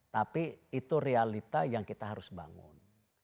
tapi itu realita yang kita harus bangun